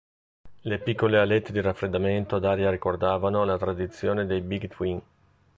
Le piccole alette di raffreddamento ad aria ricordavano la tradizione dei Big-Twin.